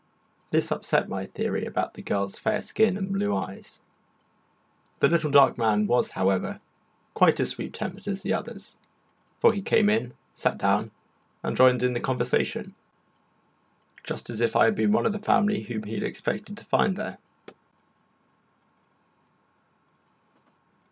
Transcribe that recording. This upset my theory about the girl's fair skin and blue eyes; the little dark man was, however, quite as sweet tempered as the others, for he came in, sat down, and joined in the conversation, just as if I had been one of the family whom he had expected to find there.